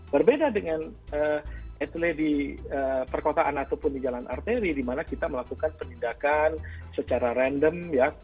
berbeda dengan atlet di perkotaan ataupun di jalan arteri di mana kita melakukan penindakan secara random ya